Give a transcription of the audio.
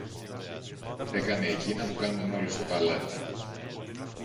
Έκανε εκείνα που κάνουν όλοι στο παλάτι.